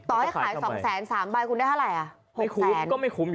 ต่อให้ขาย๒แสน๓บาทคุณได้เท่าไหร่